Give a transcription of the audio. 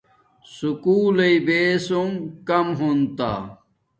سکُول لݵ بسنگ کم ہونتا